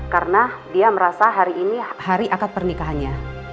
karena dia merasa hari ini hari akad pernikahannya